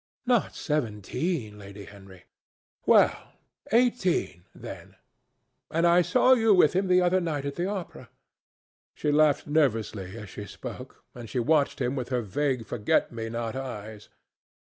"Not seventeen, Lady Henry?" "Well, eighteen, then. And I saw you with him the other night at the opera." She laughed nervously as she spoke, and watched him with her vague forget me not eyes.